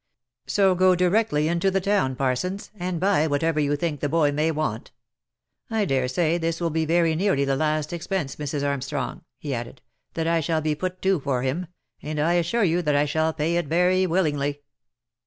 So go directly into the town, Parsons, and buy whatever you think the boy may want. I dare say this will be very nearly the last expense, Mrs. Armstrong," he added, " that I shall be put to for him, and I assure you that I shall pay it very willingly."